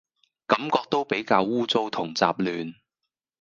感覺都比較污糟同雜亂